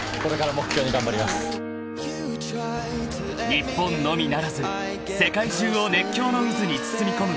［日本のみならず世界中を熱狂の渦に包み込むこの男］